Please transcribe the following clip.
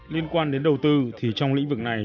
liên quan đến đầu tư thì trong lĩnh vực này